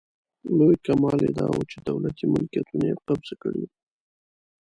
لوی کمال یې داوو چې دولتي ملکیتونه یې قبضه کړي وو.